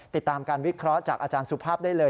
ติดตามการวิเคราะห์จากอาจารย์สุภาพได้เลย